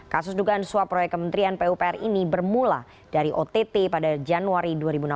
kasus dugaan suap proyek kementerian pupr ini bermula dari ott pada januari dua ribu enam belas